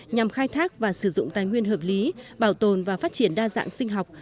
nhằm khai thác và sử dụng tài nguyên hợp lý bảo tồn và phát triển đa dạng sinh học